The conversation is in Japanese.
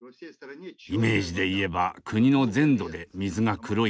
イメージで言えば国の全土で水が黒いのです。